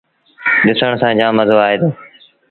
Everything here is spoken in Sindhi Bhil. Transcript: ڏسن سآݩ جآم مزو آئي دو۔